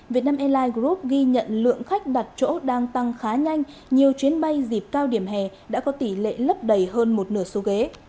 việt nam airlines group ghi nhận lượng khách đặt chỗ đang tăng khá nhanh nhiều chuyến bay dịp cao điểm hè đã có tỷ lệ lấp đầy hơn một nửa số ghế